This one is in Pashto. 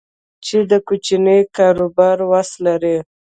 چې د کوچني کاروبار وس لري